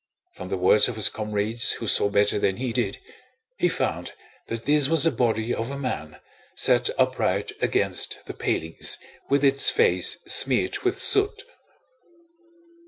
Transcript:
From the words of his comrades who saw better than he did, he found that this was the body of a man, set upright against the palings with its face smeared with soot.